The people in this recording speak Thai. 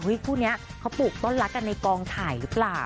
คู่นี้เขาปลูกต้นรักกันในกองถ่ายหรือเปล่า